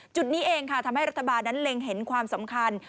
จุดนี้เองค่ะทำให้รัฐบาลนั้นเล็งเห็นความสำคัญ